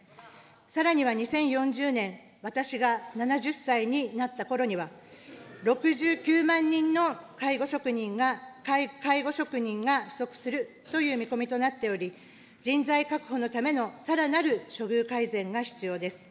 さらには２０４０年、私が７０歳になったころには、６９万人の介護職人が不足するという見込みとなっており、人材確保のためのさらなる処遇改善が必要です。